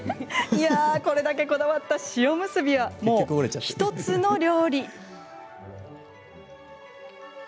いやあこれだけこだわった塩むすびはもう一つの料理。